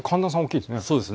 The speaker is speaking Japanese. そうですね。